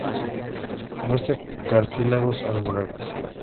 Muestra cartílagos angulares.